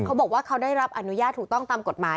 เขาบอกว่าเขาได้รับอนุญาตถูกต้องตามกฎหมาย